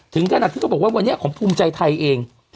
ถึงขนาดที่เขาบอกว่าวันนี้ของภูมิใจไทยเอง